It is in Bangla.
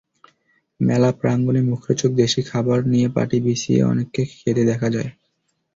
মেলা প্রাঙ্গণে মুখরোচক দেশীয় খাবার নিয়ে পাটি বিছিয়ে অনেককে খেতে দেখা যায়।